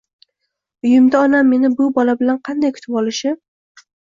uyimda onam meni bu bola bilan qanday kutib olishi